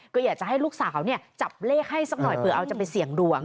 ก็อยากจะให้ลูกสาวจับเลขให้สักหน่อยเผื่อเอาจะไปเสี่ยงดวง